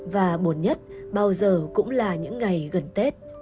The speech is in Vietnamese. và buồn nhất bao giờ cũng là những ngày gần tết